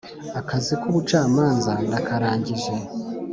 akazik'ubucamanza ndakarangije